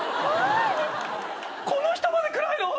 この人まで暗いの！？